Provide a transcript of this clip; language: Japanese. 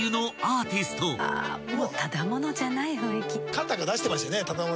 肩が出してましたね。